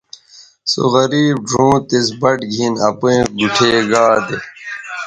سو غریب ڙھؤں تِس بَٹ گِھن اپیئں گُوٹھے گا دے